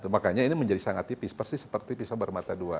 makanya ini menjadi sangat tipis persis seperti pisau bermata dua